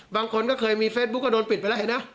บางคนเคยมีเฟซบุ๊กก็ดูลปิดไปแล้วเห็นเหรอ